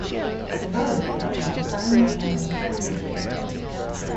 The borough is served by the Bangor Area School District.